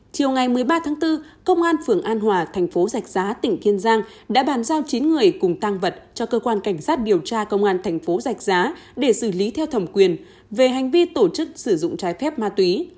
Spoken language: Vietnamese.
chiều ngày một mươi ba tháng bốn công an phường an hòa thành phố giạch giá tỉnh kiên giang đã bàn giao chín người cùng tăng vật cho cơ quan cảnh sát điều tra công an thành phố giạch giá để xử lý theo thẩm quyền về hành vi tổ chức sử dụng trái phép ma túy